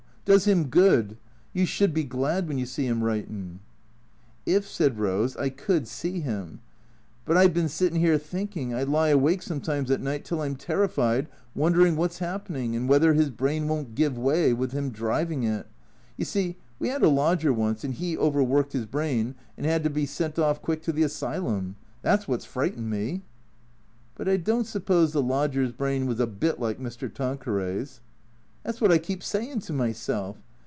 Does him good. You should be glad when you see him writing." " If," said Rose, " I could see 'im. But I 've bin settin' here thinkin'. I lie awake sometimes at night till I 'm terrified won derin' wot 's 'appenin', and whether 'is brain won't give way with 'im drivin' it. You see, we 'ad a lodger once and 'e overworked 'is brain and 'ad to be sent orf quick to the asylum. That 's wot 's frightened me." " But I don't suppose the lodger's brain was a bit like Mr. Tanqueray's." " That 's wot I keep sayin' to myself.